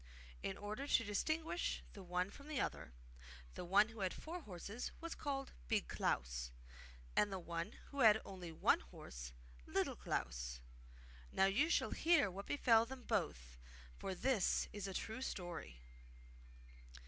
In order to distinguish the one from the other, the one who had four horses was called Big Klaus, and the one who had only one horse, Little Klaus. Now you shall hear what befell them both, for this is a true story.